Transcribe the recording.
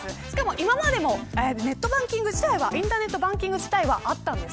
今までもインターネットバンキング自体はあったんです。